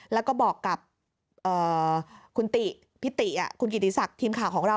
แล้วก็บอกกับคุณติพิติคุณกิติศักดิ์ทีมข่าวของเรา